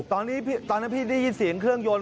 ตอนนั้นพี่ได้ยินเสียงเครื่องยนต์